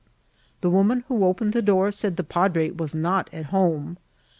The woman who opened the door said that the padre was not at home.